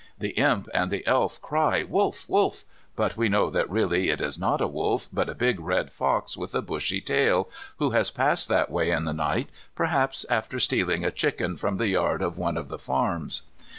The Imp and the Elf cry, "Wolf, wolf," but we know that really it is not a wolf, but a big red fox with a bushy tail, who has passed that way in the night, perhaps after stealing a chicken from the yard of one of the farms.